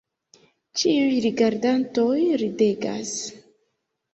Ĉiuj rigardantoj ridegas.